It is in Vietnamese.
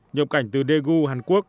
nhập cảnh từ daegu hàn quốc